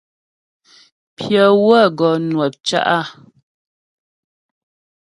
Pyə wə́ gɔ nwə̂p cá'.